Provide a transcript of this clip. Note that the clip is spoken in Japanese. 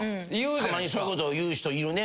たまにそういうこと言う人いるね。